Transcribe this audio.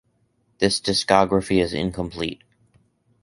"This discography is incomplete"